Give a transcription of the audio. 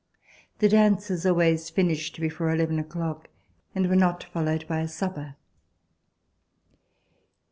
The dances always finished before eleven o'clock and were not followed by a supper.